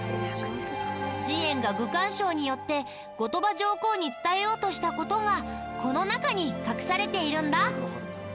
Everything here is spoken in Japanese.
慈円が『愚管抄』によって後鳥羽上皇に伝えようとした事がこの中に隠されているんだ。